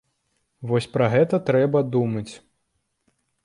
Вось пра гэта трэба думаць.